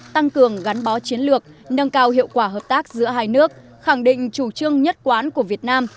tăng cường gắn bó chiến lược nâng cao hiệu quả hợp tác giữa hai nước khẳng định chủ trương nhất quán của việt nam